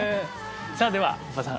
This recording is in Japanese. さあでは馬場さん